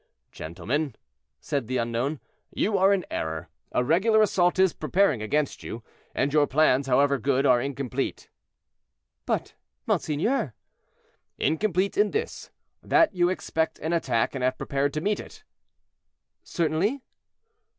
"Gentlemen," said the unknown, "you are in error; a regular assault is preparing against you, and your plans, however good, are incomplete." "But, monseigneur—" "Incomplete in this, that you expect an attack, and have prepared to meet it." "Certainly."